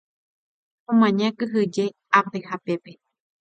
Omaña kyhyje ápe ha pépe.